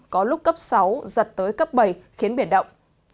có lúc cấp sáu giật tới cấp bảy khiến biển động